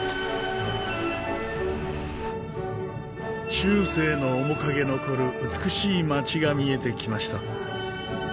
中世の面影残る美しい街が見えてきました。